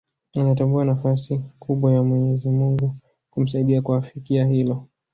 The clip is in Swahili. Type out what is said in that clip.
Anatambua nafasi kubwa ya mwenyezi Mungu kumsaidia kuafikia hilo